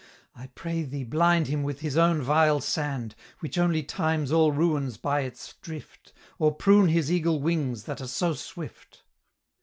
I pray thee blind him with his own vile sand, Which only times all ruins by its drift, Or prune his eagle wings that are so swift."